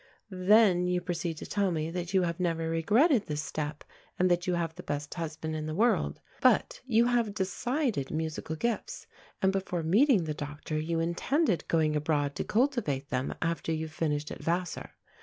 Then you proceed to tell me that you have never regretted this step, and that you have the best husband in the world. But you have decided musical gifts, and before meeting the doctor you intended going abroad to cultivate them after you finished at Vassar.